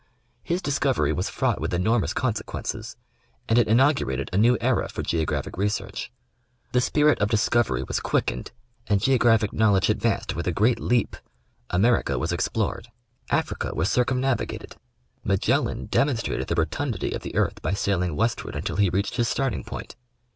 His discovery was fraught with enormous consequences, and it inaugurated a new era for geographic research. The spirit of discovery was quickened and geogi aphic knowledge ad vanced with a great leap. America was explored ; Africa was Introdtbctory Address. 7 circumnavigated. Magellan demonstrated the rotundity of the earth by sailing westward until he reached his starting point.